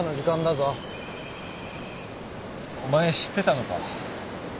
お前知ってたのか？